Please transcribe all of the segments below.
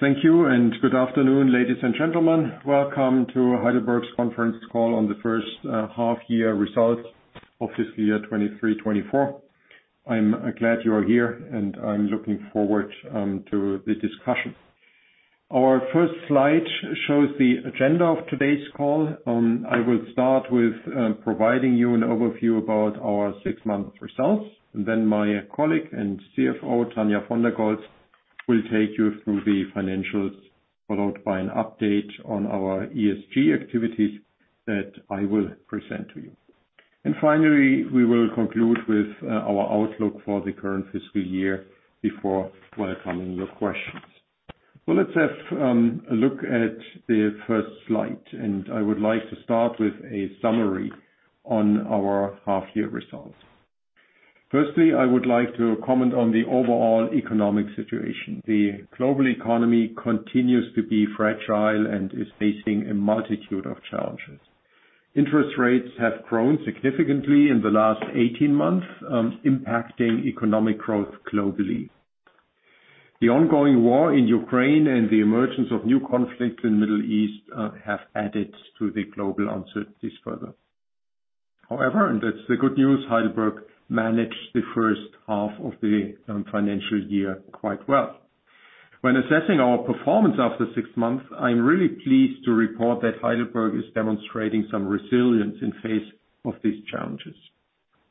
Thank you, and good afternoon, ladies and gentlemen. Welcome to Heidelberg's conference call on the first half year results of fiscal year 2023-2024. I'm glad you are here, and I'm looking forward to the discussion. Our first slide shows the agenda of today's call. I will start with providing you an overview about our six-month results, and then my colleague and CFO, Tania von der Goltz, will take you through the financials, followed by an update on our ESG activities that I will present to you. And finally, we will conclude with our outlook for the current fiscal year before welcoming your questions. Well, let's have a look at the first slide, and I would like to start with a summary on our half-year results. Firstly, I would like to comment on thE overall economic situation. The global economy continues to be fragile and is facing a multitude of challenges. Interest rates have grown significantly in the last 18 months, impacting economic growth globally. The ongoing war in Ukraine and the emergence of new conflicts in the Middle East have added to the global uncertainties further. However, and that's the good news, Heidelberg managed the first half of the financial year quite well. When assessing our performance after six months, I'm really pleased to report that Heidelberg is demonstrating some resilience in face of these challenges.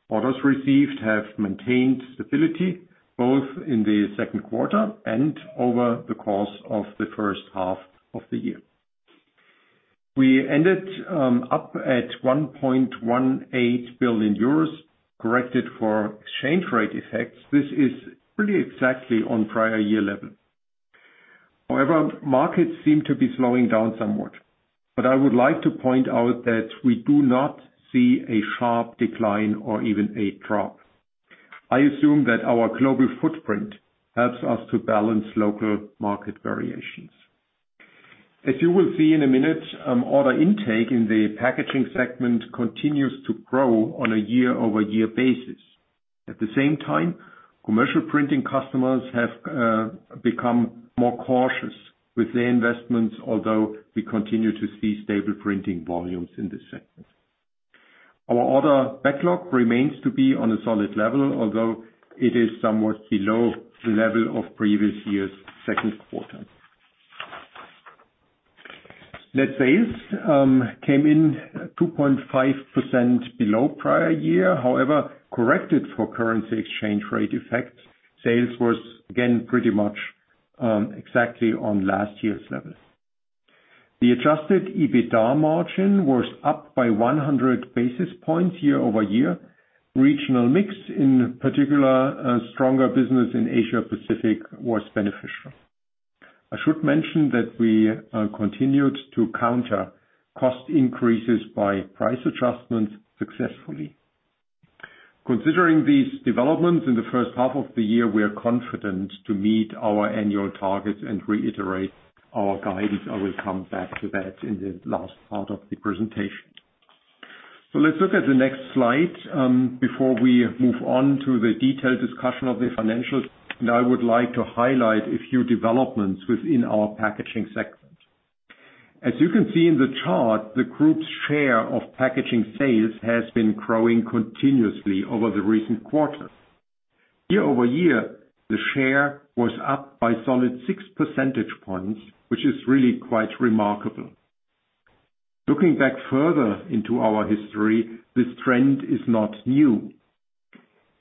Orders received have maintained stability both in the second quarter and over the course of the first half of the year. We ended up at 1.18 billion euros, corrected for exchange rate effects. This is really exactly on prior year level. However, markets seem to be slowing down somewhat, but I would like to point out that we do not see a sharp decline or even a drop. I assume that our global footprint helps us to balance local market variations. As you will see in a minute, order intake in the packaging segment continues to grow on a year-over-year basis. At the same time, commercial printing customers have become more cautious with their investments, although we continue to see stable printing volumes in this segment. Our order backlog remains to be on a solid level, although it is somewhat below the level of previous year's second quarter. Net sales came in 2.5% below prior year. However, corrected for currency exchange rate effects, sales was again pretty much exactly on last year's level. The adjusted EBITDA margin was up by 100 basis points year-over-year. Regional mix, in particular, a stronger business in Asia Pacific, was beneficial. I should mention that we continued to counter cost increases by price adjustments successfully. Considering these developments in the first half of the year, we are confident to meet our annual targets and reiterate our guidance. I will come back to that in the last part of the presentation. So let's look at the next slide before we move on to the detailed discussion of the financials, and I would like to highlight a few developments within our packaging segment. As you can see in the chart, the group's share of packaging sales has been growing continuously over the recent quarters. Year-over-year, the share was up by solid 6 percentage points, which is really quite remarkable. Looking back further into our history, this trend is not new.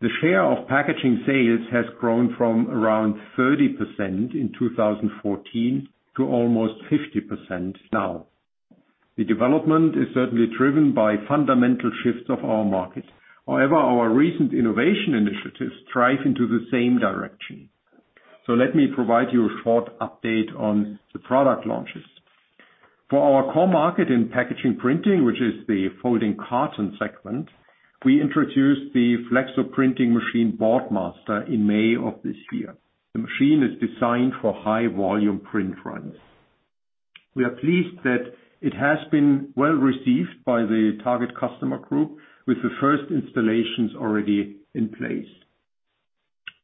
The share of packaging sales has grown from around 30% in 2014 to almost 50% now. The development is certainly driven by fundamental shifts of our market. However, our recent innovation initiatives strive into the same direction. So let me provide you a short update on the product launches. For our core market in packaging printing, which is the folding carton segment, we introduced the flexo printing machine, Boardmaster, in May of this year. The machine is designed for high-volume print runs. We are pleased that it has been well received by the target customer group, with the first installations already in place.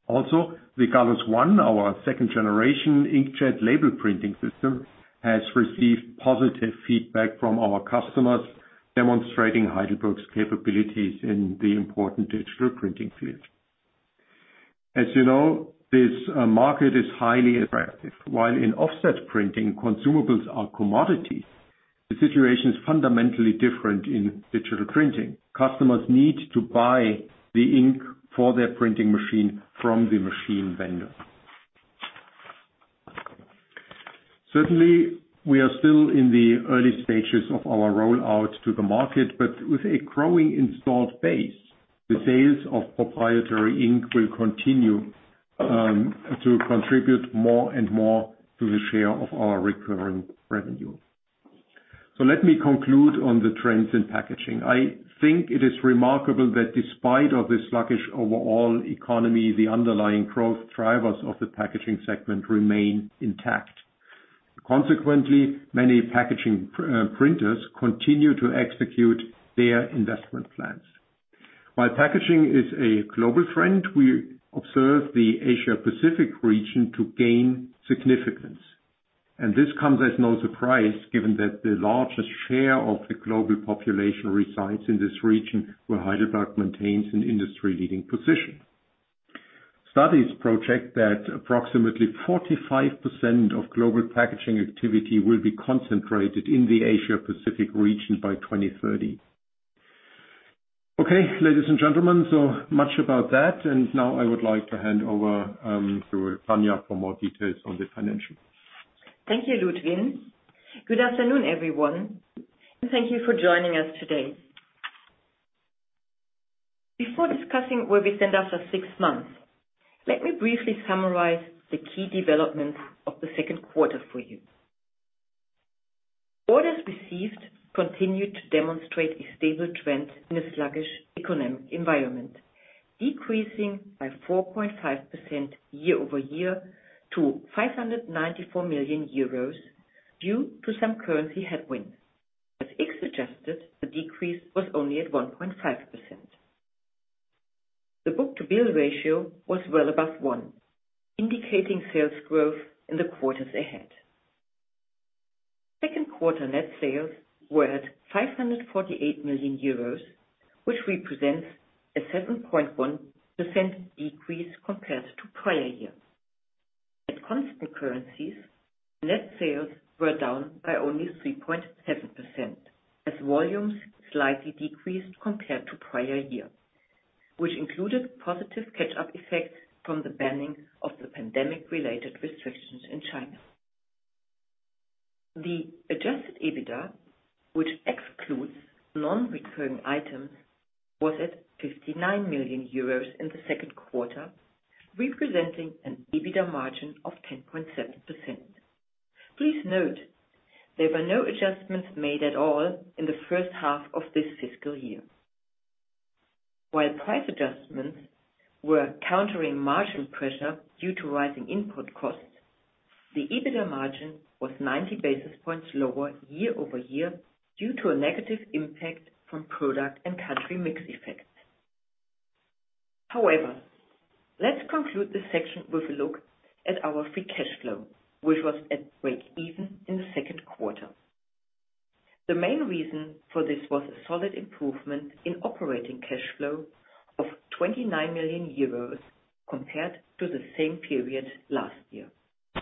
Also, the Gallus One, our second-generation inkjet label printing system, has received positive feedback from our customers, demonstrating Heidelberg's capabilities in the important digital printing field. As you know, this market is highly attractive. While in offset printing, consumables are commodity, the situation is fundamentally different in digital printing. Customers need to buy the ink for their printing machine from the machine vendor. Certainly, we are still in the early stages of our rollout to the market, but with a growing installed base, the sales of proprietary ink will continue to contribute more and more to the share of our recurring revenue. So let me conclude on the trends in packaging. I think it is remarkable that despite of this sluggish overall economy, the underlying growth drivers of the packaging segment remain intact. Consequently, many packaging printers continue to execute their investment plans. While packaging is a global trend, we observe the Asia Pacific region to gain significance, and this comes as no surprise, given that the largest share of the global population resides in this region, where Heidelberg maintains an industry-leading position. Studies project that approximately 45% of global packaging activity will be concentrated in the Asia Pacific region by 2030. Okay, ladies and gentlemen, so much about that, and now I would like to hand over to Tania for more details on the financials. Thank you, Ludwin. Good afternoon, everyone, and thank you for joining us today. Before discussing where we stand after six months, let me briefly summarize the key developments of the second quarter for you. Orders received continued to demonstrate a stable trend in a sluggish economic environment, decreasing by 4.5% year-over-year to 594 million euros, due to some currency headwinds. As FX adjusted, the decrease was only at 1.5%. The book-to-bill ratio was well above one, indicating sales growth in the quarters ahead. Second quarter net sales were at 548 million euros, which represents a 7.1% decrease compared to prior year. At constant currencies, net sales were down by only 3.7%, as volumes slightly decreased compared to prior year, which included positive catch-up effects from the banning of the pandemic-related restrictions in China. The adjusted EBITDA, which excludes non-recurring items, was at 59 million euros in the second quarter, representing an EBITDA margin of 10.7%. Please note, there were no adjustments made at all in the first half of this fiscal year. While price adjustments were countering marginal pressure due to rising input costs, the EBITDA margin was 90 basis points lower year-over-year, due to a negative impact from product and country mix effects. However, let's conclude this section with a look at our free cash flow, which was at breakeven in the second quarter. The main reason for this was a solid improvement in operating cash flow of 29 million euros compared to the same period last year,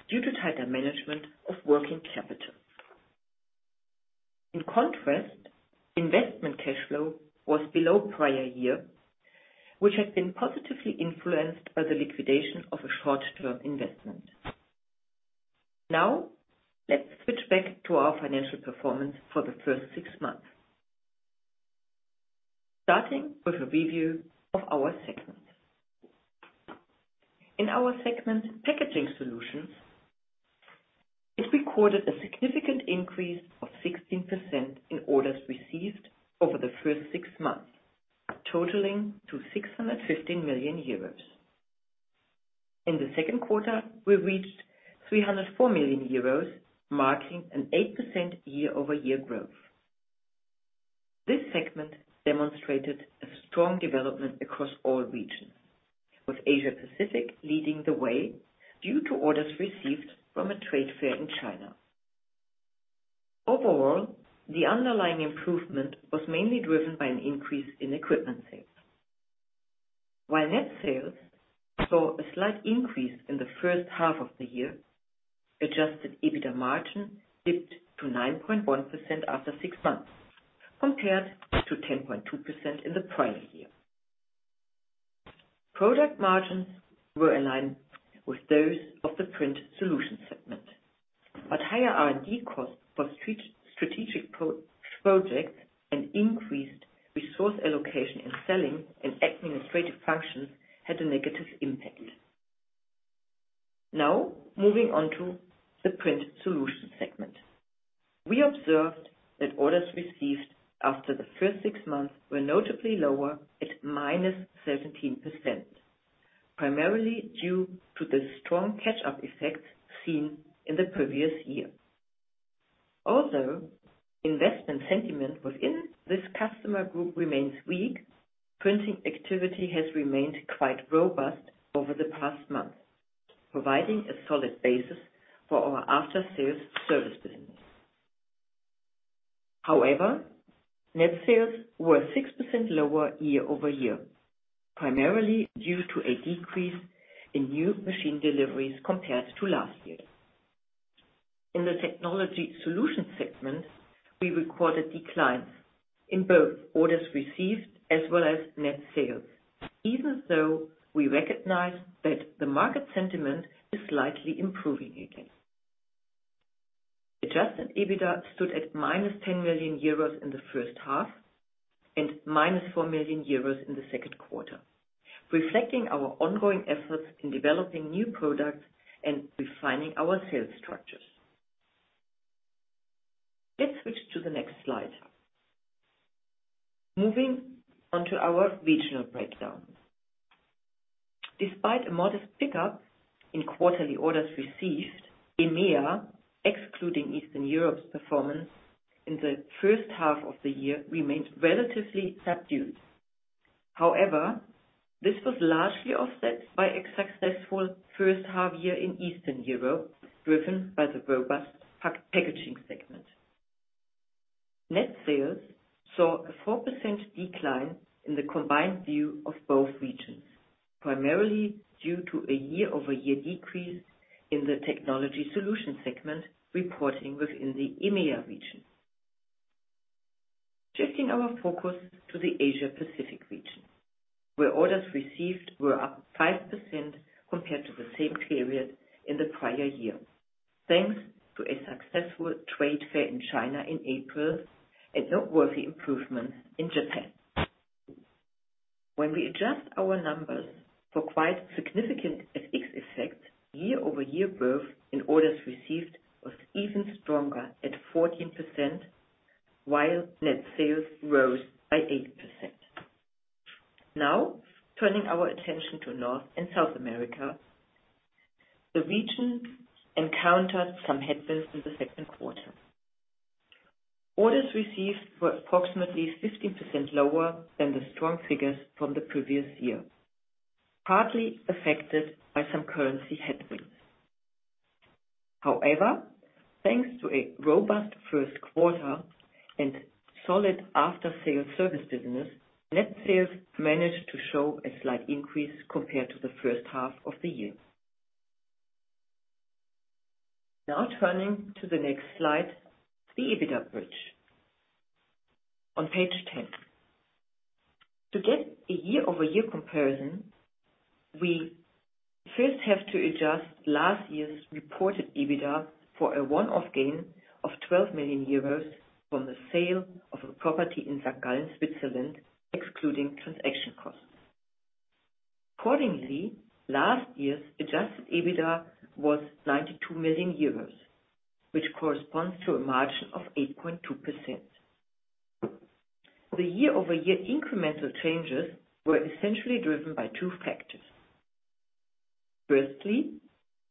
due to tighter management of working capital. In contrast, investment cash flow was below prior year, which had been positively influenced by the liquidation of a short-term investment. Now, let's switch back to our financial performance for the first six months. Starting with a review of our segments. In our segment, Packaging Solutions, it recorded a significant increase of 16% in orders received over the first six months, totaling to 615 million euros. In the second quarter, we reached 304 million euros, marking an 8% year-over-year growth. This segment demonstrated a strong development across all regions, with Asia Pacific leading the way due to orders received from a trade fair in China. Overall, the underlying improvement was mainly driven by an increase in equipment sales. While net sales saw a slight increase in the first half of the year, Adjusted EBITDA margin dipped to 9.1% after six months, compared to 10.2% in the prior year. Product margins were in line with those of the Print Solutions segment, but higher R&D costs for strategic projects and increased resource allocation in selling and administrative functions had a negative impact. Now, moving on to the Print Solutions segment. We observed that orders received after the first six months were notably lower at -13%, primarily due to the strong catch-up effect seen in the previous year. Although, investment sentiment within this customer group remains weak, printing activity has remained quite robust over the past month, providing a solid basis for our after-sales service business. However, net sales were 6% lower year-over-year, primarily due to a decrease in new machine deliveries compared to last year. In the Technology Solutions segment, we recorded declines in both orders received as well as net sales, even though we recognize that the market sentiment is slightly improving again. Adjusted EBITDA stood at -10 million euros in the first half and -4 million euros in the second quarter, reflecting our ongoing efforts in developing new products and refining our sales structures. Let's switch to the next slide... Moving on to our regional breakdown. Despite a modest pickup in quarterly orders received, EMEA, excluding Eastern Europe's performance in the first half of the year, remained relatively subdued. However, this was largely offset by a successful first half year in Eastern Europe, driven by the robust packaging segment. Net sales saw a 4% decline in the combined view of both regions, primarily due to a year-over-year decrease in the technology solution segment reporting within the EMEA region. Shifting our focus to the Asia Pacific region, where orders received were up 5% compared to the same period in the prior year, thanks to a successful trade fair in China in April, a noteworthy improvement in Japan. When we adjust our numbers for quite significant FX effects, year-over-year growth in orders received was even stronger at 14%, while net sales rose by 8%. Now, turning our attention to North and South America, the region encountered some headwinds in the second quarter. Orders received were approximately 15% lower than the strong figures from the previous year, partly affected by some currency headwinds. However, thanks to a robust first quarter and solid after-sales service business, net sales managed to show a slight increase compared to the first half of the year. Now turning to the next slide, the EBITDA bridge on page 10. To get a year-over-year comparison, we first have to adjust last year's reported EBITDA for a one-off gain of 12 million euros from the sale of a property in St. Gallen, Switzerland, excluding transaction costs. Accordingly, last year's adjusted EBITDA was 92 million euros, which corresponds to a margin of 8.2%. The year-over-year incremental changes were essentially driven by two factors. Firstly,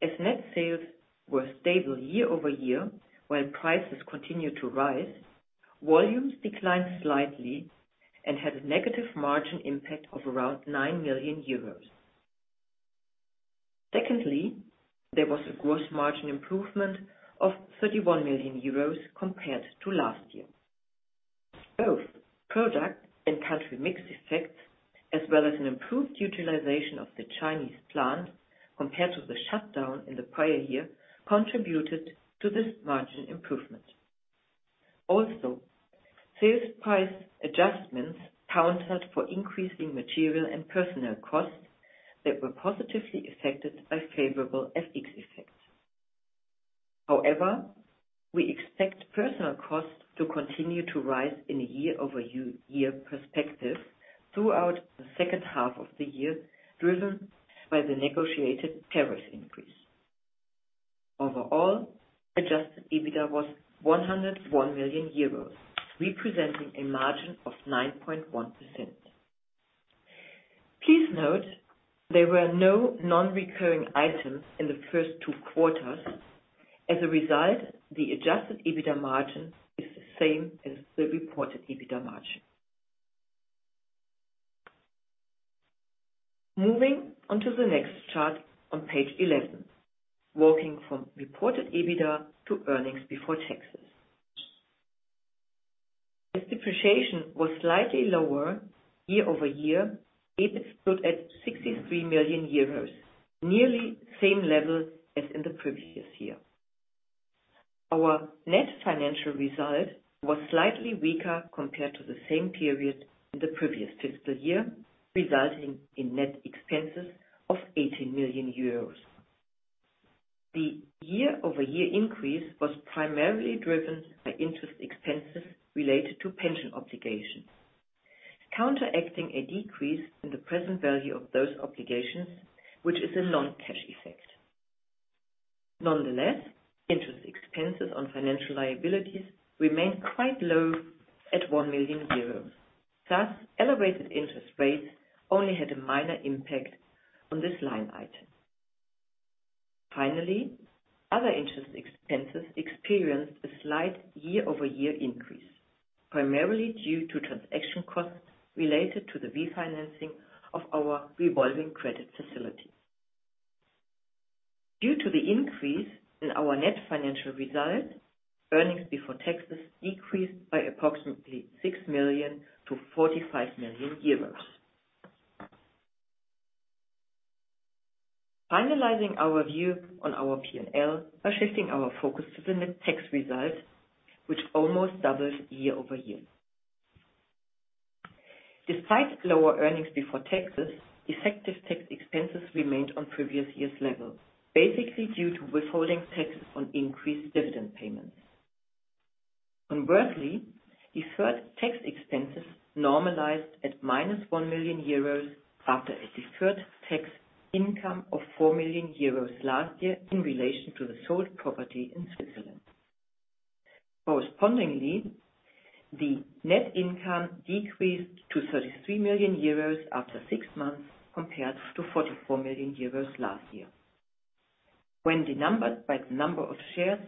as net sales were stable year over year, while prices continued to rise, volumes declined slightly and had a negative margin impact of around 9 million euros. Secondly, there was a gross margin improvement of 31 million euros compared to last year. Both product and country mix effects, as well as an improved utilization of the Chinese plant compared to the shutdown in the prior year, contributed to this margin improvement. Also, sales price adjustments countered for increasing material and personnel costs that were positively affected by favorable FX effects. However, we expect personnel costs to continue to rise in a year-over-year perspective throughout the second half of the year, driven by the negotiated tariff increase. Overall, Adjusted EBITDA was 101 million euros, representing a margin of 9.1%. Please note there were no non-recurring items in the first two quarters. As a result, the Adjusted EBITDA margin is the same as the reported EBITDA margin. Moving on to the next chart on page 11, working from reported EBITDA to earnings before taxes. As depreciation was slightly lower year-over-year, EBIT stood at 63 million euros, nearly same level as in the previous year. Our net financial result was slightly weaker compared to the same period in the previous fiscal year, resulting in net expenses of 18 million euros. The year-over-year increase was primarily driven by interest expenses related to pension obligations, counteracting a decrease in the present value of those obligations, which is a non-cash effect. Nonetheless, interest expenses on financial liabilities remained quite low at 1 million euros. Thus, elevated interest rates only had a minor impact on this line item. Finally, other interest expenses experienced a slight year-over-year increase, primarily due to transaction costs related to the refinancing of our revolving credit facility. Due to the increase in our net financial result, earnings before taxes decreased by approximately 6 million to 45 million euros. Finalizing our view on our P&L by shifting our focus to the net tax result, which almost doubled year-over-year. Despite lower earnings before taxes, effective tax expenses remained on previous year's level, basically due to withholding taxes on increased dividend payments. Conversely, deferred tax expenses normalized at -1 million euros after a deferred tax income of 4 million euros last year in relation to the sold property in Switzerland. Correspondingly, the net income decreased to 33 million euros after six months, compared to 44 million euros last year. When denominated by the number of shares,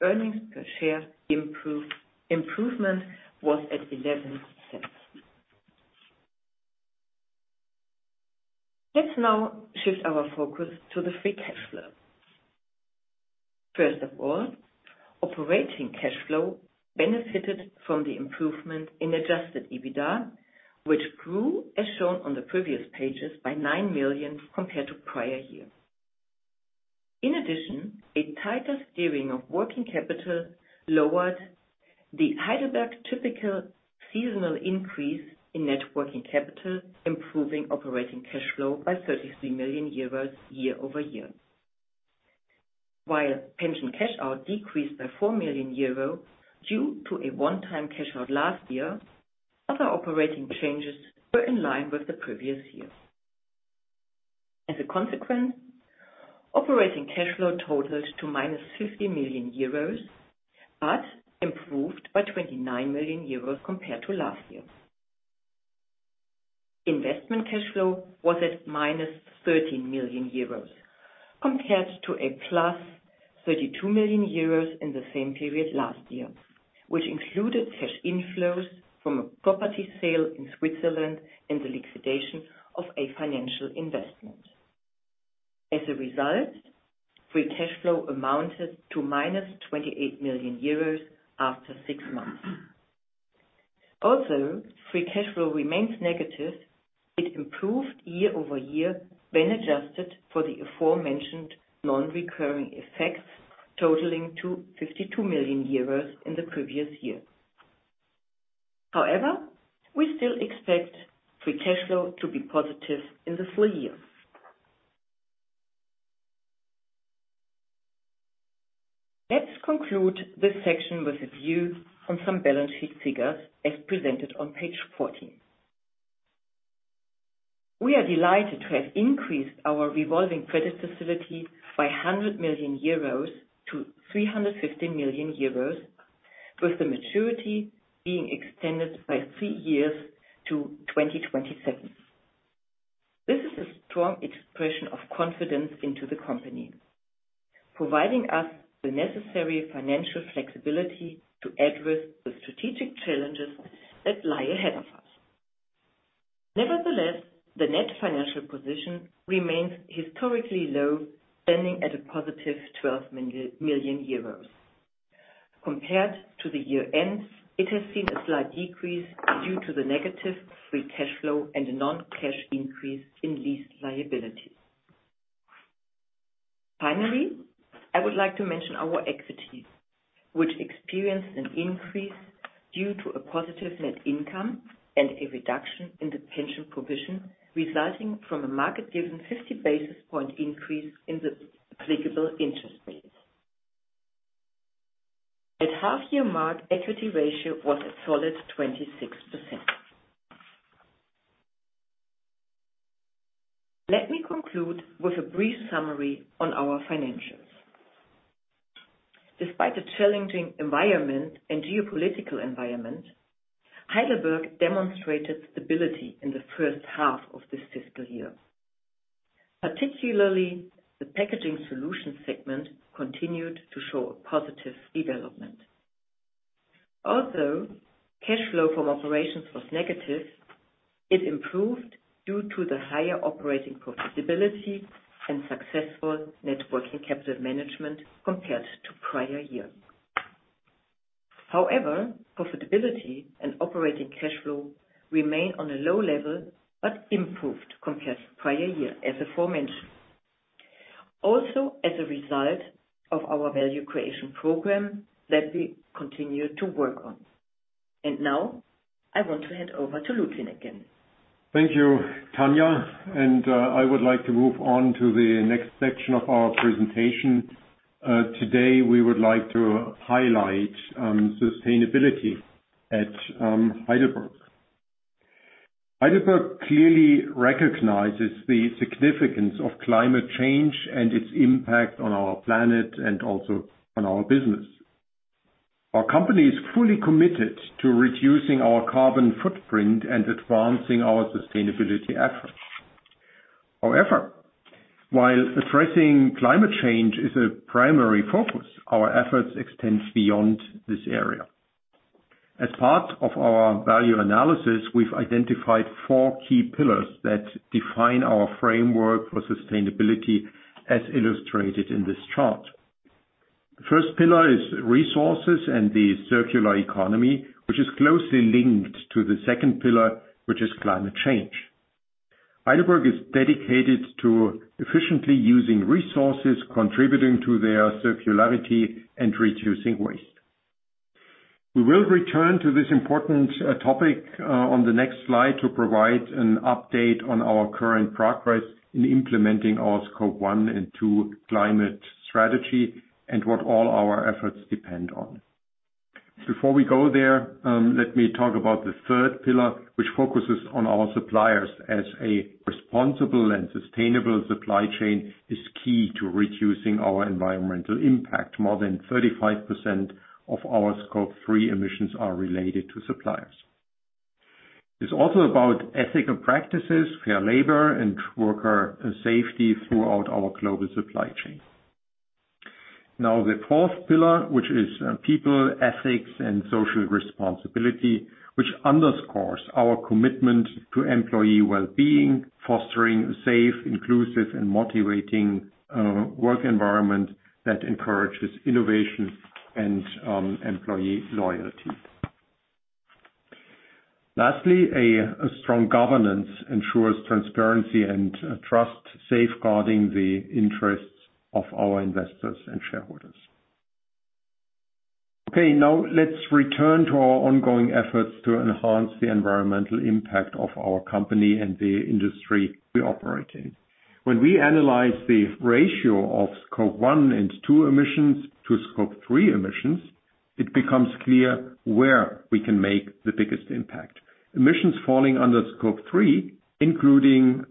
earnings per share improved; the improvement was at EUR 0.11. Let's now shift our focus to the free cash flow. First of all, operating cash flow benefited from the improvement in adjusted EBITDA, which grew, as shown on the previous pages, by 9 million compared to prior year. In addition, a tighter steering of working capital lowered the Heidelberg typical seasonal increase in net working capital, improving operating cash flow by 33 million euros, year-over-year. While pension cash out decreased by 4 million euro due to a one-time cash out last year, other operating changes were in line with the previous year. As a consequence, operating cash flow totals to -50 million euros, but improved by 29 million euros compared to last year. Investment cash flow was at -13 million euros, compared to +32 million euros in the same period last year, which included cash inflows from a property sale in Switzerland and the liquidation of a financial investment. As a result, free cash flow amounted to -28 million euros after six months. Also, free cash flow remains negative. It improved year-over-year, when adjusted for the aforementioned non-recurring effects, totaling to 52 million euros in the previous year. However, we still expect free cash flow to be positive in the full year. Let's conclude this section with a view from some balance sheet figures, as presented on page 14. We are delighted to have increased our revolving credit facility by 100 million euros to 350 million euros, with the maturity being extended by 3 years to 2027. This is a strong expression of confidence into the company, providing us the necessary financial flexibility to address the strategic challenges that lie ahead of us. Nevertheless, the net financial position remains historically low, standing at a positive 12 million euros. Compared to the year end, it has seen a slight decrease due to the negative free cash flow and a non-cash increase in lease liability. Finally, I would like to mention our equity, which experienced an increase due to a positive net income and a reduction in the pension provision, resulting from a market-driven 50 basis point increase in the applicable interest rates. At half year mark, equity ratio was a solid 26%. Let me conclude with a brief summary on our financials. Despite the challenging environment and geopolitical environment, Heidelberg demonstrated stability in the first half of this fiscal year. Particularly, the packaging solution segment continued to show a positive development. Also, cash flow from operations was negative. It improved due to the higher operating profitability and successful net working capital management compared to prior year. However, profitability and operating cash flow remain on a low level, but improved compared to prior year, as aforementioned. Also, as a result of our value creation program that we continue to work on. Now, I want to hand over to Ludwin again. Thank you, Tania, and I would like to move on to the next section of our presentation. Today, we would like to highlight sustainability at Heidelberg. Heidelberg clearly recognizes the significance of climate change and its impact on our planet and also on our business. Our company is fully committed to reducing our carbon footprint and advancing our sustainability efforts. However, while addressing climate change is a primary focus, our efforts extend beyond this area. As part of our value analysis, we've identified four key pillars that define our framework for sustainability, as illustrated in this chart. The first pillar is resources and the circular economy, which is closely linked to the second pillar, which is climate change. Heidelberg is dedicated to efficiently using resources, contributing to their circularity and reducing waste. We will return to this important topic on the next slide, to provide an update on our current progress in implementing our Scope 1 and 2 climate strategy and what all our efforts depend on. Before we go there, let me talk about the third pillar, which focuses on our suppliers as a responsible and sustainable supply chain, is key to reducing our environmental impact. More than 35% of our Scope 3 emissions are related to suppliers. It's also about ethical practices, fair labor, and worker safety throughout our global supply chain. Now, the fourth pillar, which is people, ethics, and social responsibility, which underscores our commitment to employee well-being, fostering a safe, inclusive, and motivating work environment that encourages innovation and employee loyalty. Lastly, a strong governance ensures transparency and trust, safeguarding the interests of our investors and shareholders. Okay, now let's return to our ongoing efforts to enhance the environmental impact of our company and the industry we operate in. When we analyze the ratio of Scope 1 and 2 emissions to Scope 3 emissions, it becomes clear where we can make the biggest impact. Emissions falling under Scope 3, including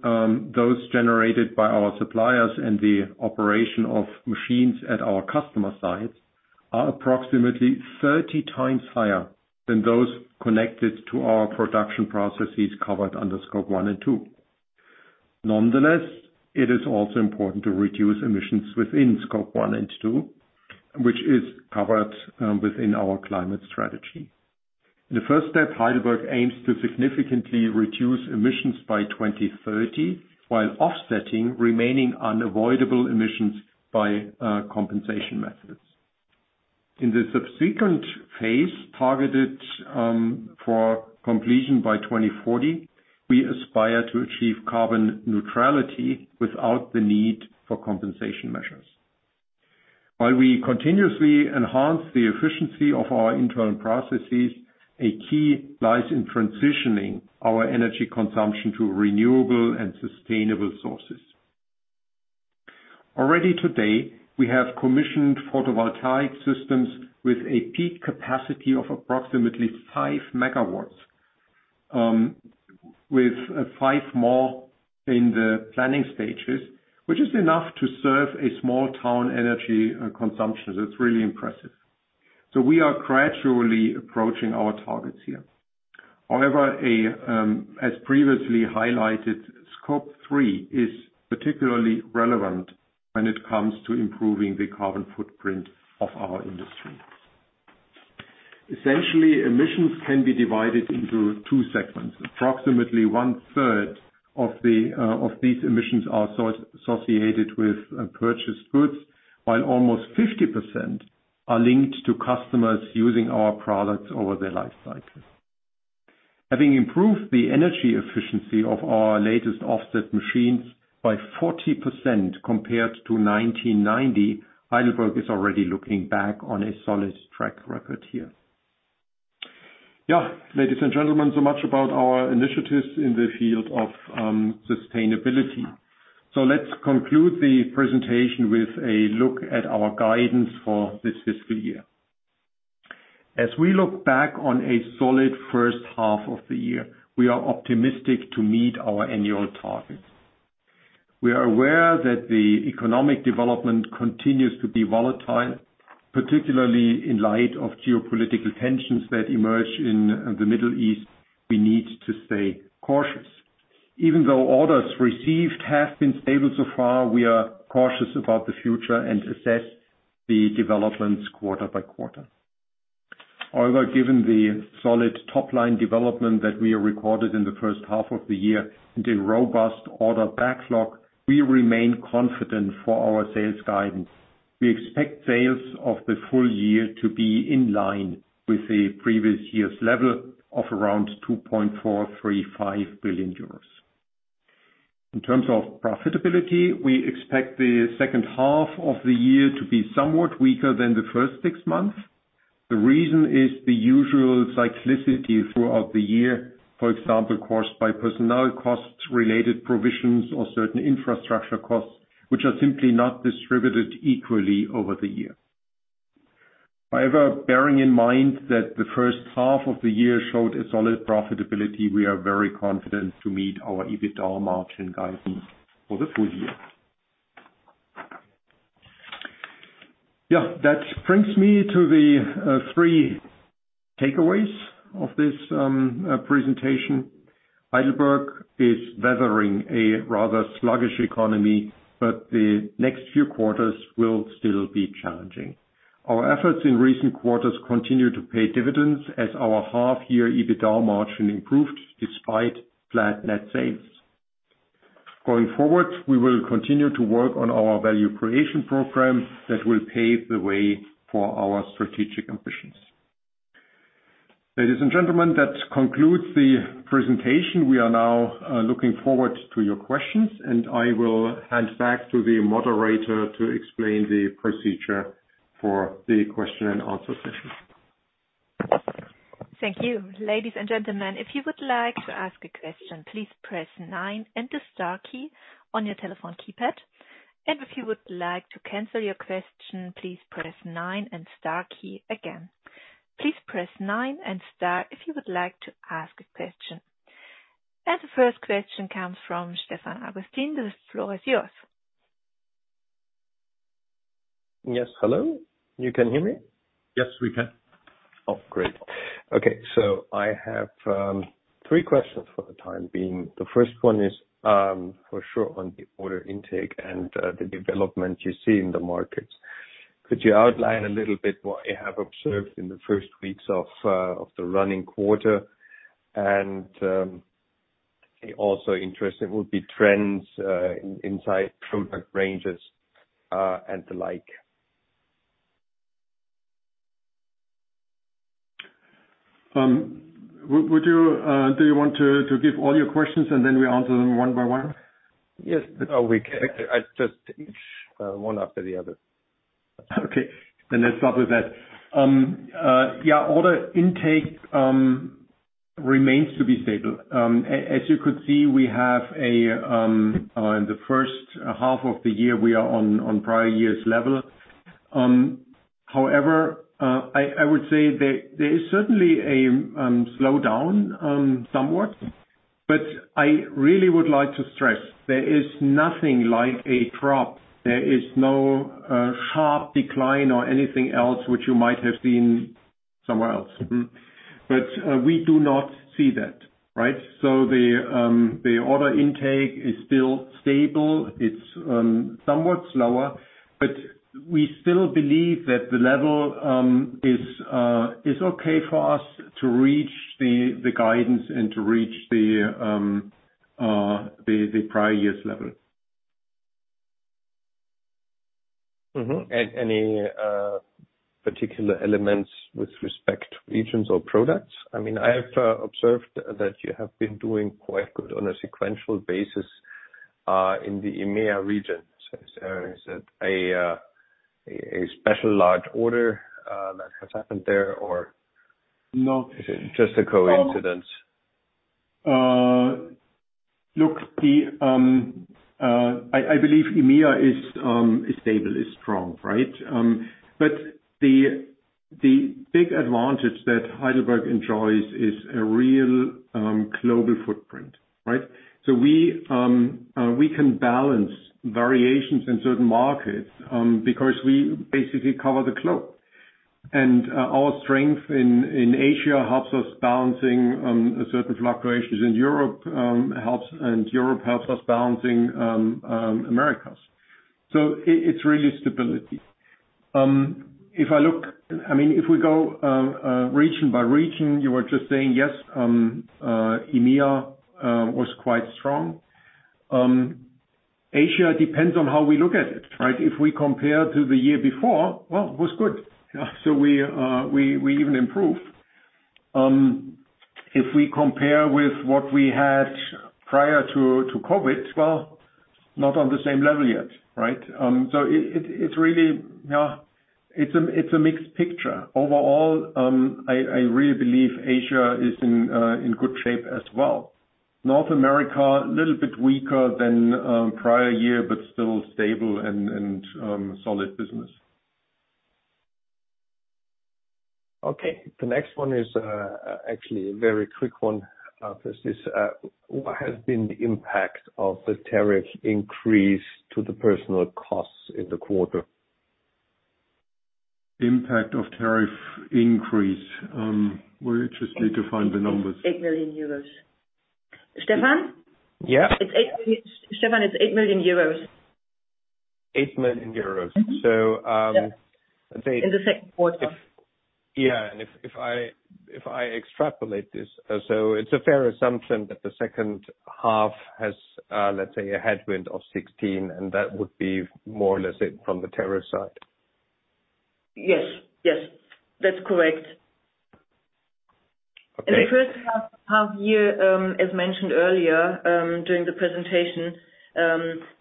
those generated by our suppliers and the operation of machines at our customer sites, are approximately 30 times higher than those connected to our production processes covered under Scope 1 and 2. Nonetheless, it is also important to reduce emissions within Scope 1 and 2, which is covered within our climate strategy. In the first step, Heidelberg aims to significantly reduce emissions by 2030, while offsetting remaining unavoidable emissions by compensation methods. In the subsequent phase, targeted for completion by 2040, we aspire to achieve carbon neutrality without the need for compensation measures. While we continuously enhance the efficiency of our internal processes, a key lies in transitioning our energy consumption to renewable and sustainable sources. Already today, we have commissioned photovoltaic systems with a peak capacity of approximately 5 megawatts, with 5 more in the planning stages, which is enough to serve a small town energy consumption. That's really impressive. So we are gradually approaching our targets here. However, as previously highlighted, Scope 3 is particularly relevant when it comes to improving the carbon footprint of our industry. Essentially, emissions can be divided into two segments. Approximately one third of these emissions are associated with purchased goods, while almost 50% are linked to customers using our products over their life cycle. Having improved the energy efficiency of our latest offset machines by 40% compared to 1990, Heidelberg is already looking back on a solid track record here. Yeah, ladies and gentlemen, so much about our initiatives in the field of, sustainability. So let's conclude the presentation with a look at our guidance for this fiscal year. As we look back on a solid first half of the year, we are optimistic to meet our annual targets. We are aware that the economic development continues to be volatile, particularly in light of geopolitical tensions that emerge in the Middle East. We need to stay cautious. Even though orders received have been stable so far, we are cautious about the future and assess the developments quarter by quarter. However, given the solid top-line development that we have recorded in the first half of the year and a robust order backlog, we remain confident for our sales guidance. We expect sales of the full year to be in line with the previous year's level of around 2.435 billion euros. In terms of profitability, we expect the second half of the year to be somewhat weaker than the first six months. The reason is the usual cyclicity throughout the year, for example, caused by personnel costs, related provisions, or certain infrastructure costs, which are simply not distributed equally over the year. However, bearing in mind that the first half of the year showed a solid profitability, we are very confident to meet our EBITDA margin guidance for the full year. Yeah, that brings me to the three takeaways of this presentation. Heidelberg is weathering a rather sluggish economy, but the next few quarters will still be challenging. Our efforts in recent quarters continue to pay dividends as our half-year EBITDA margin improved despite flat net sales. Going forward, we will continue to work on our value creation program that will pave the way for our strategic ambitions. Ladies and gentlemen, that concludes the presentation. We are now looking forward to your questions, and I will hand back to the moderator to explain the procedure for the question and answer session.... Thank you. Ladies and gentlemen, if you would like to ask a question, please press nine and the star key on your telephone keypad. If you would like to cancel your question, please press nine and star key again. Please press nine and star if you would like to ask a question. The first question comes from Stefan Augustin. The floor is yours. Yes, hello? You can hear me? Yes, we can. Oh, great. Okay, so I have three questions for the time being. The first one is for sure on the order intake and the development you see in the markets. Could you outline a little bit what you have observed in the first weeks of the running quarter? And also interesting would be trends in inside product ranges and the like. Do you want to give all your questions and then we answer them one by one? Yes. Oh, we can. I just, one after the other. Okay, then let's start with that. Yeah, order intake remains to be stable. As you could see, we have a in the first half of the year, we are on prior year's level. However, I would say there is certainly a slowdown somewhat, but I really would like to stress there is nothing like a drop. There is no sharp decline or anything else which you might have seen somewhere else. Mm-hmm. But we do not see that, right? So the order intake is still stable. It's somewhat slower, but we still believe that the level is okay for us to reach the guidance and to reach the prior year's level. Mm-hmm. Any particular elements with respect to regions or products? I mean, I have observed that you have been doing quite good on a sequential basis in the EMEA region. So is it a special large order that has happened there, or? No. Is it just a coincidence? Look, I believe EMEA is strong, right? But the big advantage that Heidelberg enjoys is a real global footprint, right? So we can balance variations in certain markets because we basically cover the globe. And our strength in Asia helps us balancing certain fluctuations in Europe, helps-- and Europe helps us balancing Americas. So it's really stability. If I look... I mean, if we go region by region, you were just saying, yes, EMEA was quite strong. Asia depends on how we look at it, right? If we compare to the year before, well, it was good. So we even improved. If we compare with what we had prior to COVID, well, not on the same level yet, right? So it's really, yeah, it's a mixed picture. Overall, I really believe Asia is in good shape as well. North America, a little bit weaker than prior year, but still stable and solid business. Okay. The next one is, actually a very quick one. This is, what has been the impact of the tariff increase to the personal costs in the quarter? Impact of tariff increase? We just need to find the numbers. 8 million euros. Stefan? Yeah. It's 8 million euros. Stefan, it's 8 million euros. 8 million euros. Mm-hmm. So, um- Yeah. Let's say- In the second quarter. Yeah, and if I extrapolate this, so it's a fair assumption that the second half has, let's say, a headwind of 16, and that would be more or less it from the tariff side. Yes. Yes, that's correct. Okay. In the first half, half year, as mentioned earlier, during the presentation,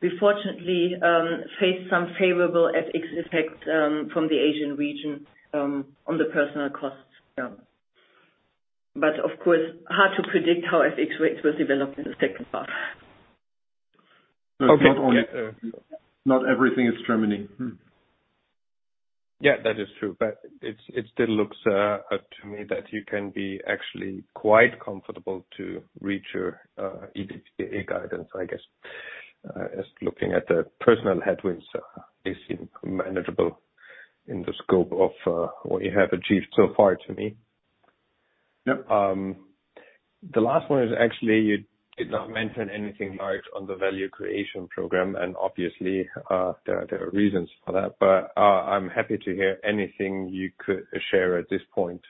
we fortunately faced some favorable FX effects, from the Asian region, on the personnel costs. Yeah. But of course, hard to predict how FX rates will develop in the second half. Okay. Not only, not everything is Germany. Yeah, that is true, but it still looks to me that you can be actually quite comfortable to reach your EBITDA guidance, I guess. As looking at the personnel headwinds, they seem manageable in the scope of what you have achieved so far to me. Yep. The last one is actually, you did not mention anything, like, on the value creation program, and obviously, there are reasons for that. But, I'm happy to hear anything you could share at this point.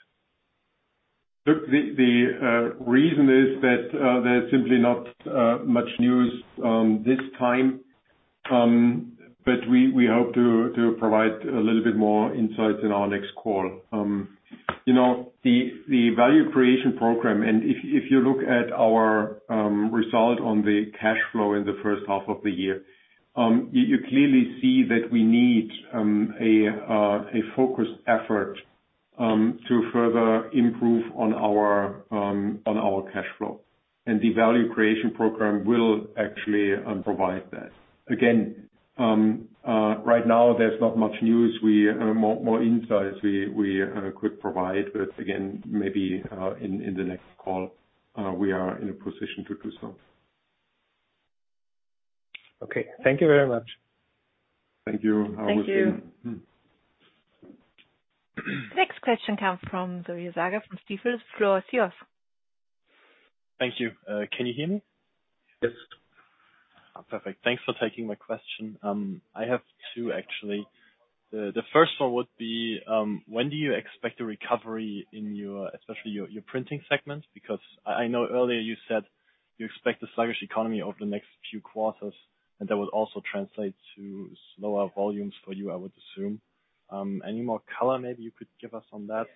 Look, the reason is that, there's simply not much news this time. But we hope to provide a little bit more insights in our next call. You know, the value creation program, and if you look at our result on the cash flow in the first half of the year, you clearly see that we need a focused effort to further improve on our cash flow. And the value creation program will actually provide that. Again, right now, there's not much news. We could provide more insights, but again, maybe in the next call, we are in a position to do so. Okay. Thank you very much. Thank you. Thank you. I will see. Next question comes from Darius Aga from Stifel. The floor is yours. Thank you. Can you hear me? Yes. Perfect. Thanks for taking my question. I have two, actually. The first one would be when do you expect a recovery in your, especially your printing segment? Because I know earlier you said you expect a sluggish economy over the next few quarters, and that would also translate to slower volumes for you, I would assume. Any more color maybe you could give us on that?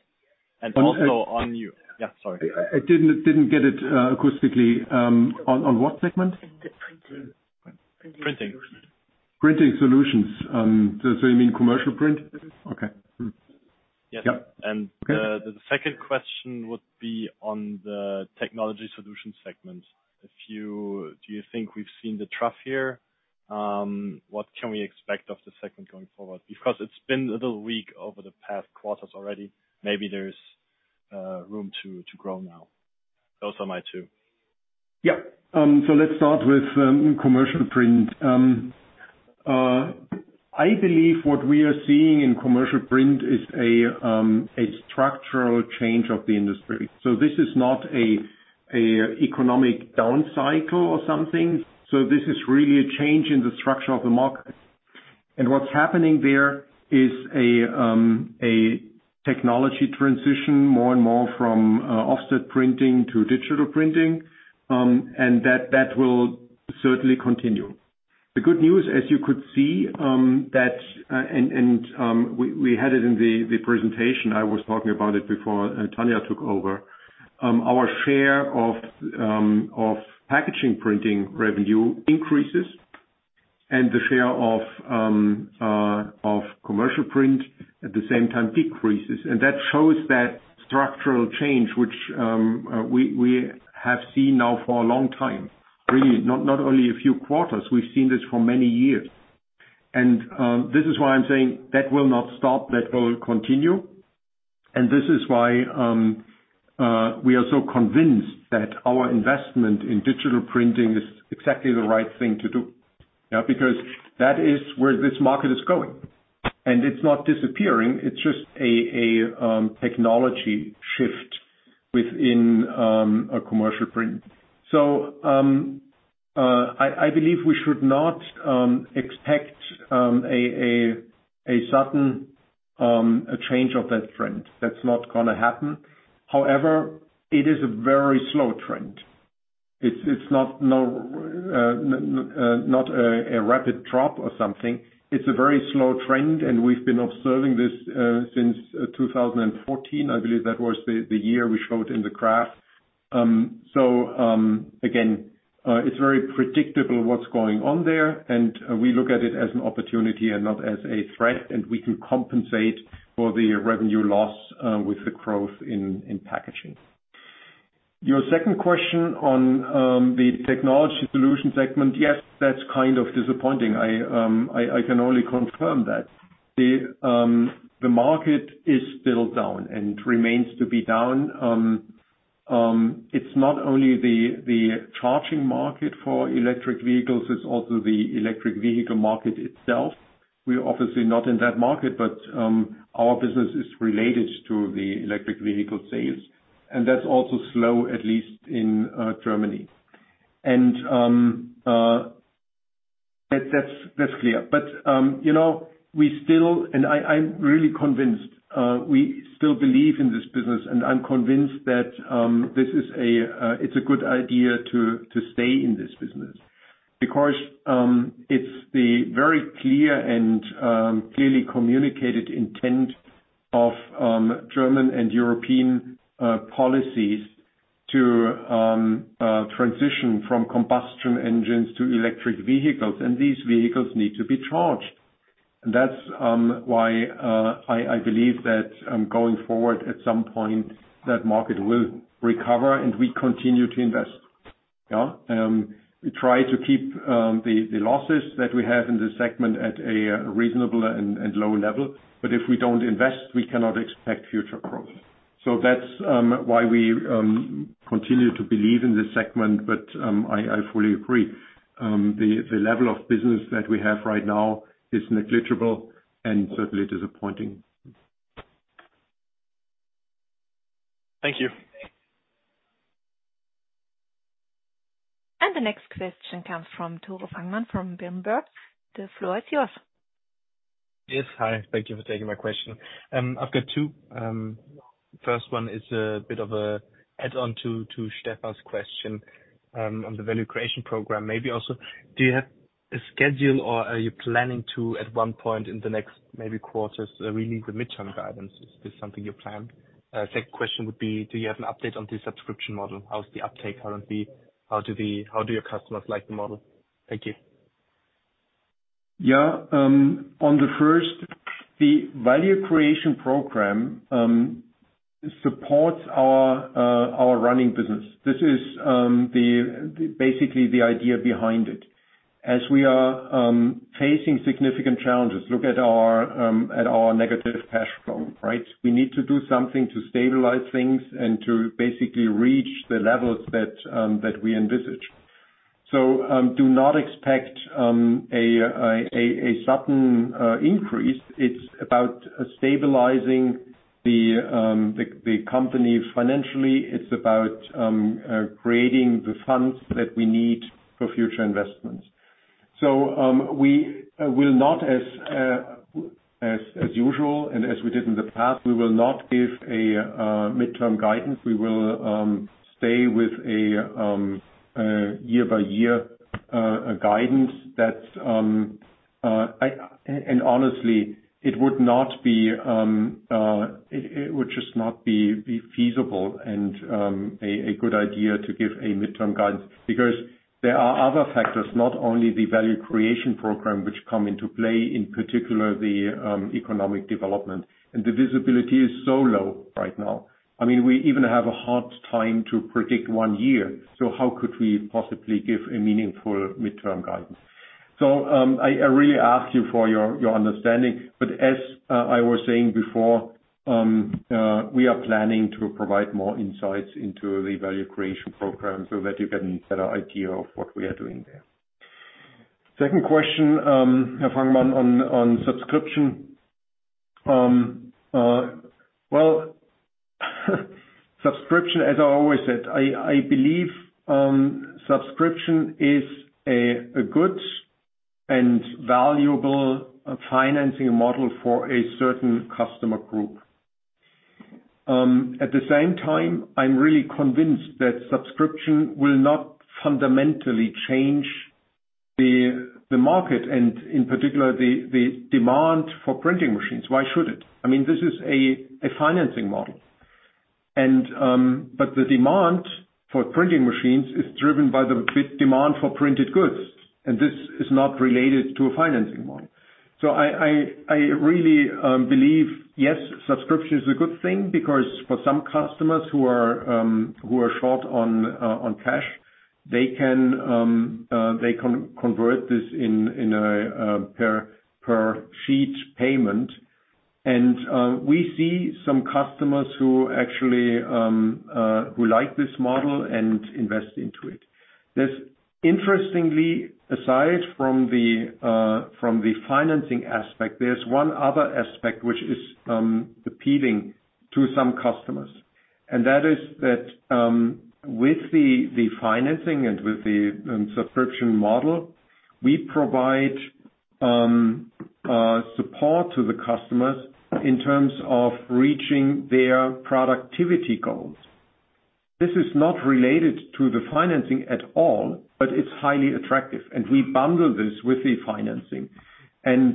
And also on you- I- Yeah, sorry. I didn't get it acoustically. On what segment? Printing. Printing. Printing solutions. So you mean commercial print? Mm-hmm. Okay. Mm. Yes. Yeah. The second question would be on the technology solution segment. Do you think we've seen the trough here? What can we expect of the segment going forward? Because it's been a little weak over the past quarters already. Maybe there's room to grow now. Those are my two. Yeah. So let's start with commercial print. I believe what we are seeing in commercial print is a structural change of the industry. So this is not an economic down cycle or something, so this is really a change in the structure of the market. And what's happening there is a technology transition, more and more from offset printing to digital printing, and that will certainly continue. The good news, as you could see, that and we had it in the presentation, I was talking about it before, Tania took over. Our share of packaging printing revenue increases, and the share of commercial print at the same time decreases. That shows that structural change, which we have seen now for a long time. Really, not only a few quarters, we've seen this for many years. And this is why I'm saying that will not stop. That will continue. And this is why we are so convinced that our investment in digital printing is exactly the right thing to do. Yeah, because that is where this market is going, and it's not disappearing, it's just a technology shift within a commercial print. So I believe we should not expect a sudden change of that trend. That's not gonna happen. However, it is a very slow trend. It's not a rapid drop or something. It's a very slow trend, and we've been observing this since 2014. I believe that was the year we showed in the graph. So, again, it's very predictable what's going on there, and we look at it as an opportunity and not as a threat, and we can compensate for the revenue loss with the growth in packaging. Your second question on the technology solution segment, yes, that's kind of disappointing. I can only confirm that. The market is still down and remains to be down. It's not only the charging market for electric vehicles, it's also the electric vehicle market itself. We're obviously not in that market, but our business is related to the electric vehicle sales, and that's also slow, at least in Germany. That's clear. But, you know, we still—and I, I'm really convinced, we still believe in this business, and I'm convinced that, this is a, it's a good idea to stay in this business. Because, it's the very clear and, clearly communicated intent of, German and European, policies to, transition from combustion engines to electric vehicles, and these vehicles need to be charged. And that's why, I believe that, going forward, at some point, that market will recover, and we continue to invest. Yeah. We try to keep, the losses that we have in this segment at a reasonable and low level, but if we don't invest, we cannot expect future growth. So that's why we continue to believe in this segment, but I fully agree. The level of business that we have right now is negligible and certainly disappointing. Thank you. The next question comes from Tore Fangmann from Bloomberg. The floor is yours. Yes. Hi, thank you for taking my question. I've got two. First one is a bit of an add-on to Stefan's question on the value creation program. Maybe also, do you have a schedule, or are you planning to, at one point in the next maybe quarters, release the midterm guidance? Is this something you plan? Second question would be, do you have an update on the subscription model? How's the uptake currently? How do your customers like the model? Thank you.... Yeah, on the first, the value creation program supports our running business. This is basically the idea behind it. As we are facing significant challenges, look at our negative cash flow, right? We need to do something to stabilize things and to basically reach the levels that we envisage. So, do not expect a sudden increase. It's about stabilizing the company financially. It's about creating the funds that we need for future investments. So, we will not, as usual, and as we did in the past, we will not give a midterm guidance. We will stay with a year-by-year guidance. Honestly, it would just not be feasible and a good idea to give a midterm guidance. Because there are other factors, not only the value creation program, which come into play, in particular, the economic development. The visibility is so low right now. I mean, we even have a hard time to predict one year, so how could we possibly give a meaningful midterm guidance? So, I really ask you for your understanding, but as I was saying before, we are planning to provide more insights into the value creation program so that you get a better idea of what we are doing there. Second question, Herr Fangmann, on subscription. Well, subscription, as I always said, I believe, subscription is a good and valuable financing model for a certain customer group. At the same time, I'm really convinced that subscription will not fundamentally change the market, and in particular, the demand for printing machines. Why should it? I mean, this is a financing model. And, but the demand for printing machines is driven by the demand for printed goods, and this is not related to a financing model. So I really believe, yes, subscription is a good thing, because for some customers who are short on cash, they can convert this in a per sheet payment. And, we see some customers who actually who like this model and invest into it. There's interestingly, aside from the, from the financing aspect, there's one other aspect which is appealing to some customers, and that is that with the, the financing and with the subscription model, we provide support to the customers in terms of reaching their productivity goals. This is not related to the financing at all, but it's highly attractive, and we bundle this with the financing. And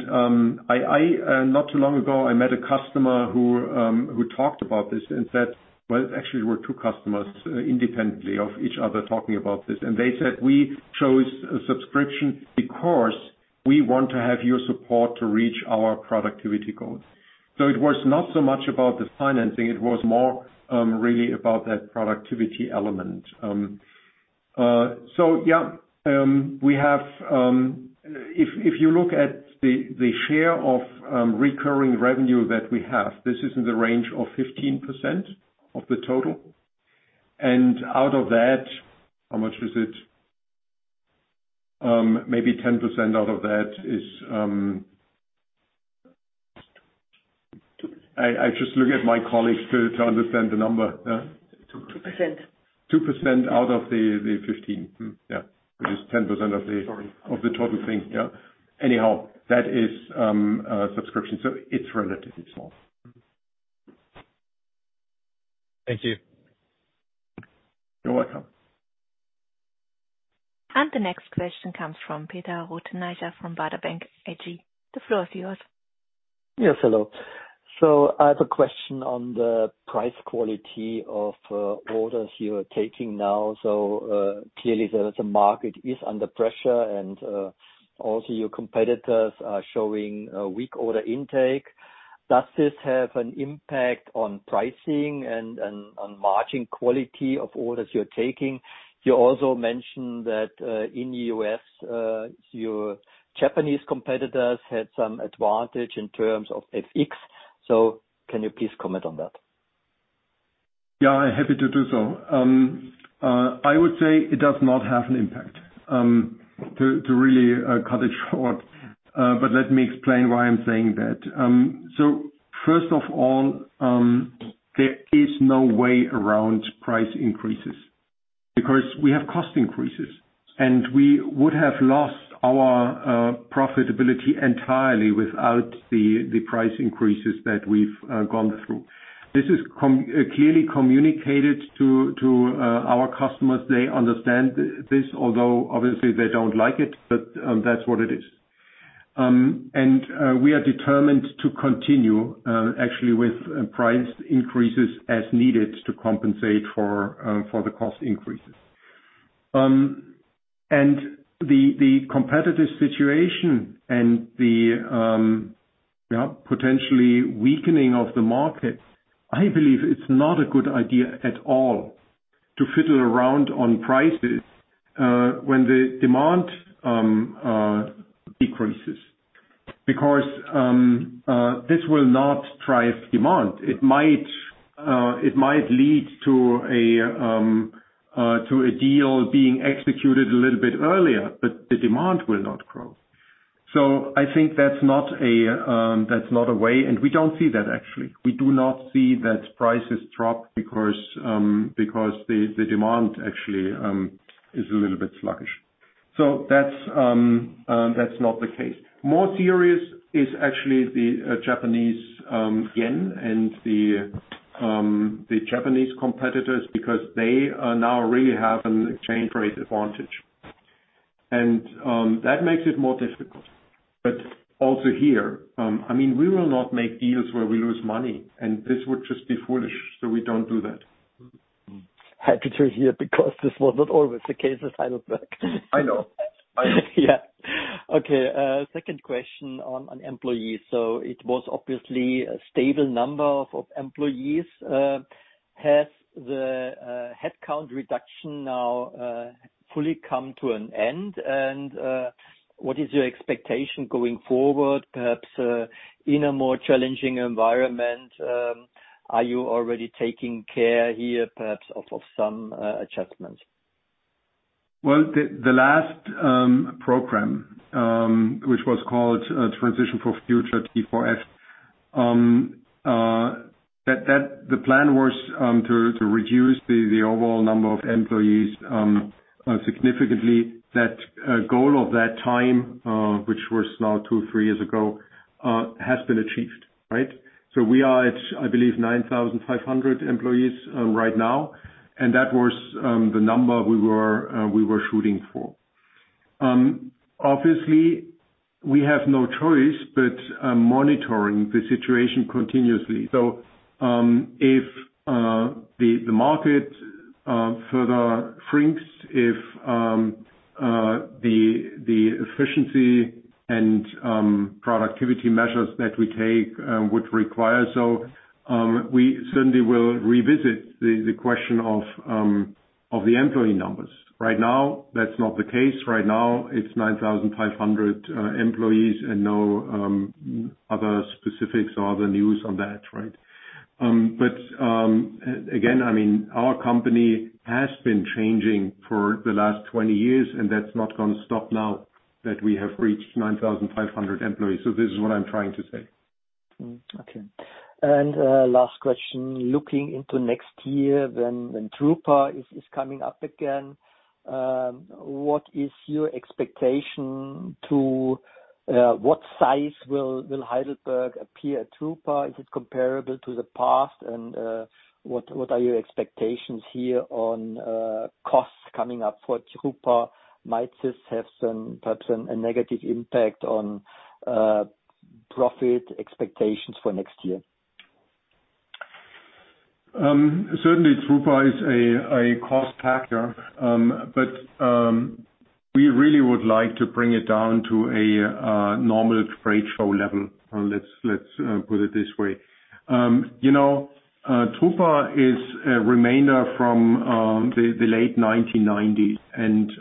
I not too long ago, I met a customer who who talked about this and said—well, actually, it were two customers, independently of each other, talking about this. And they said, "We chose a subscription because we want to have your support to reach our productivity goals." So it was not so much about the financing, it was more really about that productivity element. we have. If you look at the share of recurring revenue that we have, this is in the range of 15% of the total. And out of that, how much was it? Maybe 10% out of that is... I just look at my colleagues to understand the number. 2%. 2% out of the 15. Mm, yeah. Which is 10% of the- Sorry. -of the total thing. Yeah. Anyhow, that is subscription, so it's relatively small. Thank you. You're welcome. The next question comes from Peter Rothenaicher from Baader Bank AG. The floor is yours. Yes, hello. So I have a question on the price quality of orders you are taking now. So, clearly, the market is under pressure, and also your competitors are showing a weak order intake. Does this have an impact on pricing and on margin quality of orders you're taking? You also mentioned that in the US, your Japanese competitors had some advantage in terms of FX. So can you please comment on that? Yeah, I'm happy to do so. I would say it does not have an impact, to really cut it short. But let me explain why I'm saying that. So first of all, there is no way around price increases, because we have cost increases, and we would have lost our profitability entirely without the price increases that we've gone through. This is clearly communicated to our customers. They understand this, although obviously they don't like it, but that's what it is. And we are determined to continue, actually, with price increases as needed to compensate for the cost increases.... And the competitive situation and the yeah, potentially weakening of the market, I believe it's not a good idea at all to fiddle around on prices when the demand decreases. Because this will not drive demand. It might lead to a deal being executed a little bit earlier, but the demand will not grow. So I think that's not a way, and we don't see that actually. We do not see that prices drop because the demand actually is a little bit sluggish. So that's not the case. More serious is actually the Japanese yen, and the Japanese competitors, because they now really have an exchange rate advantage. And that makes it more difficult. Also here, I mean, we will not make deals where we lose money, and this would just be foolish, so we don't do that. Happy to hear, because this was not always the case in Heidelberg. I know. I know. Yeah. Okay, second question on employees. So it was obviously a stable number of employees. Has the headcount reduction now fully come to an end? And what is your expectation going forward, perhaps in a more challenging environment, are you already taking care here, perhaps of some adjustments? Well, the last program, which was called Transition for Future, T4F, that—The plan was to reduce the overall number of employees significantly. That goal of that time, which was now two, three years ago, has been achieved, right? So we are at, I believe, 9,500 employees right now, and that was the number we were shooting for. Obviously, we have no choice but monitoring the situation continuously. So, if the market further shrinks, if the efficiency and productivity measures that we take would require, so, we certainly will revisit the question of the employee numbers. Right now, that's not the case. Right now, it's 9,500 employees and no other specifics or other news on that, right? But again, I mean, our company has been changing for the last 20 years, and that's not going to stop now that we have reached 9,500 employees. So this is what I'm trying to say. Hmm. Okay. Last question: looking into next year, when drupa is coming up again, what is your expectation to... What size will Heidelberg appear at drupa? Is it comparable to the past? And, what are your expectations here on costs coming up for drupa? Might this have some, perhaps, a negative impact on profit expectations for next year? Certainly drupa is a cost factor, but we really would like to bring it down to a normal trade show level. Let's put it this way. You know, drupa is a remainder from the late 1990s. And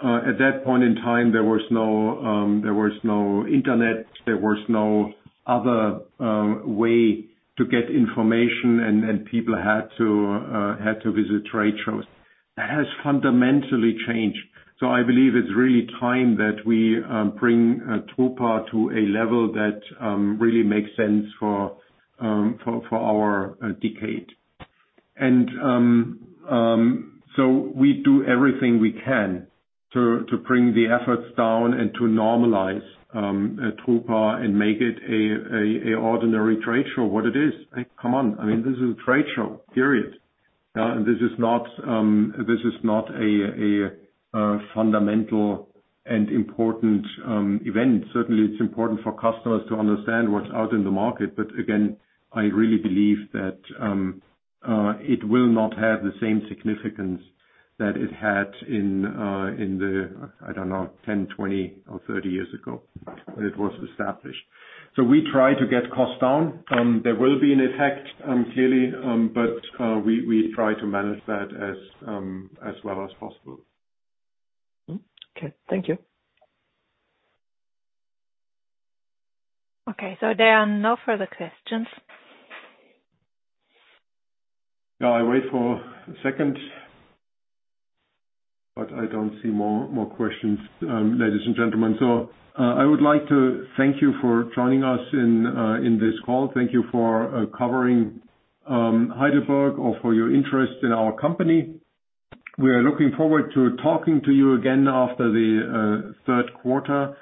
at that point in time, there was no internet, there was no other way to get information, and people had to visit trade shows. That has fundamentally changed. So I believe it's really time that we bring drupa to a level that really makes sense for our decade. And so we do everything we can to bring the efforts down and to normalize drupa and make it a ordinary trade show, what it is. I mean, come on, I mean, this is a trade show, period. This is not a fundamental and important event. Certainly, it's important for customers to understand what's out in the market, but again, I really believe that it will not have the same significance that it had in the, I don't know, 10, 20 or 30 years ago, when it was established. So we try to get costs down. There will be an impact, clearly, but we try to manage that as well as possible. Okay, thank you. Okay, so there are no further questions. Now, I wait for a second, but I don't see more questions, ladies and gentlemen. So, I would like to thank you for joining us in this call. Thank you for covering Heidelberg or for your interest in our company. We are looking forward to talking to you again after the third quarter.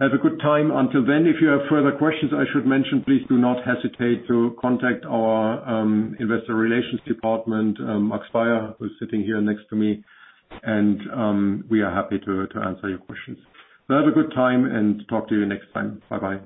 Have a good time. Until then, if you have further questions I should mention, please do not hesitate to contact our investor relations department, Max Beyer, who's sitting here next to me, and we are happy to answer your questions. But have a good time, and talk to you next time. Bye-bye.